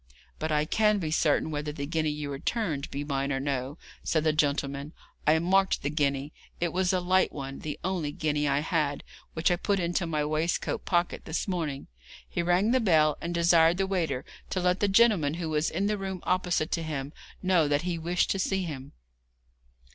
'But I can be certain whether the guinea you returned be mine or no,' said the gentleman. 'I marked the guinea; it was a light one, the only guinea I had, which I put into my waistcoat pocket this morning.' He rang the bell, and desired the waiter to let the gentleman who was in the room opposite to him know that he wished to see him.